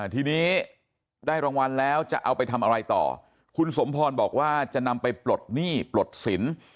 ทีนี้ได้รางวัลแล้วจะเอาไปทำอะไรต่อคุณสมพรบอกว่าจะนำไปปลดหนี้ปลดสิน